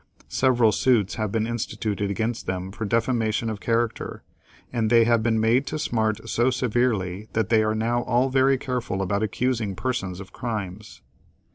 Several suits have been instituted against them for defamation of character, and they have been made to smart so severely that they are now all very careful about accusing persons of crimes.